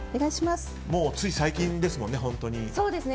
もうつい最近ですもんね、本当に。